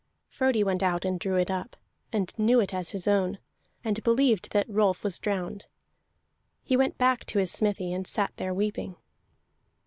Frodi went out and drew it up, and knew it as his own, and believed that Rolf was drowned. He went back to his smithy, and sat there weeping.